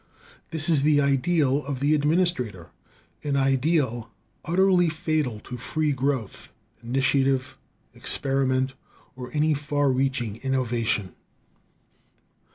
This is the ideal of the administrator, an ideal utterly fatal to free growth, initiative, experiment, or any far reaching innovation.